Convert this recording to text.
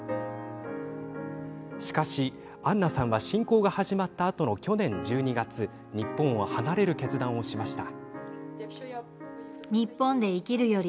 しかし、アンナさんは侵攻が始まったあとの去年１２月日本を離れる決断をしました。